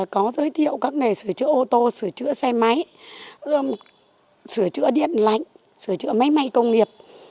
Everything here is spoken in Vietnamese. có giới thiệu các nghề sửa chữa ô tô sửa chữa xe máy sửa chữa điện lạnh sửa chữa máy may công nghiệp